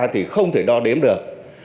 thì không thể đo đếm được